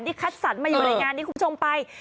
ที่คัดสรรไปอยู่ในงานของหมูชมไป